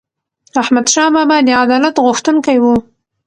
احمدشاه بابا د عدالت غوښتونکی و.